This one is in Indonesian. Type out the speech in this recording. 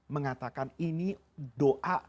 mengatakan ini doa